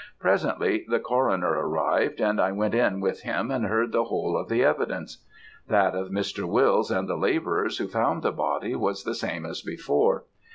Presently, the coroner arrived, and I went in with him and heard the whole of the evidence. That of Mr. Wills, and the labourers who found the body was the same as before.